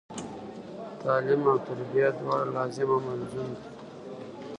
تعلم او تربیه دواړه لاظم او ملظوم دي.